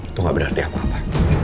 itu gak berarti apa apa